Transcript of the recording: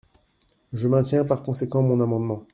Je maintiens par conséquent mon amendement.